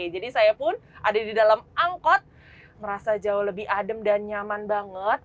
jadi saya pun ada di dalam angkut merasa jauh lebih adem dan nyaman banget